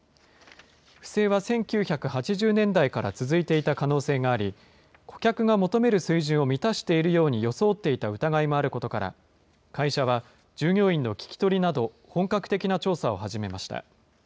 不正は１９８０年代から続いていた可能性があり、顧客が求める水準を満たしているように装っていた疑いもあることから、会社は従業員の聞き取りなど、本格的な調査を始めました。